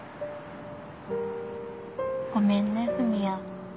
ごめんね文也。